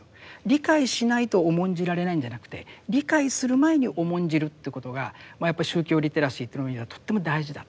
理解しないと重んじられないんじゃなくて理解する前に重んじるということがやっぱり宗教リテラシーという意味ではとっても大事だ。